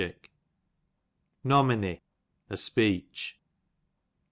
Nominy, a speech.